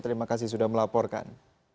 terima kasih sudah melaporkan